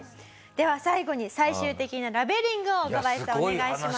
では最後に最終的なラベリングを若林さんお願いします。